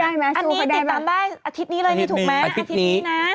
อันนี้ติดตามได้อาทิตย์นี้เลยนี่ถูกไหมอาทิตย์นี้นะ